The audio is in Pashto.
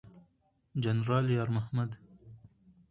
جنرال یار محمد